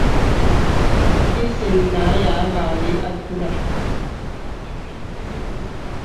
Kìsin nǎ yâ bāklì àturə.